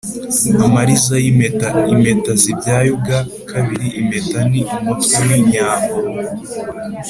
amariza y’impeta: impeta zibyaye ubwa kabiri impeta ni umutwe w’inyambo